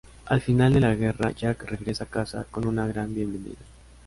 Al final de la guerra, Jack regresa a casa con una gran bienvenida.